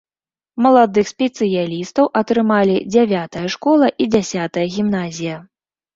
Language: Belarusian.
Маладых спецыялістаў атрымалі дзявятая школа і дзясятая гімназія.